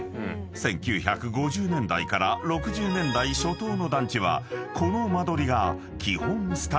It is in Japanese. ［１９５０年代から６０年代初頭の団地はこの間取りが］